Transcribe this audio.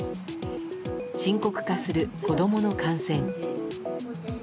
深刻化する子供の感染。